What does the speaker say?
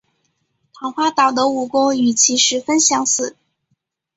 桃花岛的武功与其十分相似。